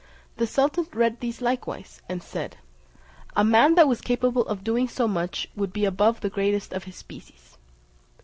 The sultan read these likewise, and said, "A man that was capable of doing so much would be above the greatest of his species."